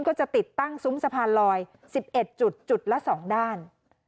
ก็จะติดตั้งซุ้มสะพานลอย๑๑จุดจุดละ๒ด้าน